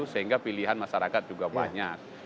sehingga pilihan masyarakat juga banyak